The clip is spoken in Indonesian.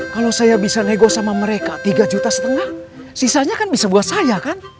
kalau saya bisa nego sama mereka tiga juta setengah sisanya kan bisa buat saya kan